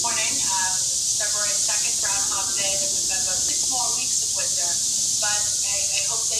Charismatic and Non-Denominational Churches are restorationist in ideology.